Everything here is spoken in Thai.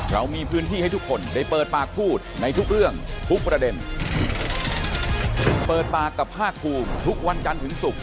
เรามีพื้นที่ให้ทุกคนได้เปิดปากพูดในทุกเรื่องทุกประเด็นเปิดปากกับภาคภูมิทุกวันจันทร์ถึงศุกร์